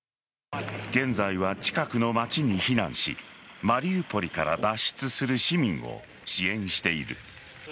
現在は近くの街に避難しマリウポリから脱出する市民を支援している。